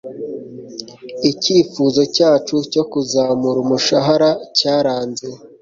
Icyifuzo cyacu cyo kuzamura umushahara cyaranze.